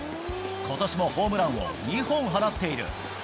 ことしもホームランを２本放っている。